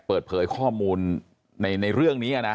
เปิดเผยข้อมูลในเรื่องนี้นะ